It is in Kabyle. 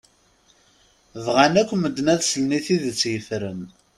Bɣan akk medden ad slen i tidett yefren.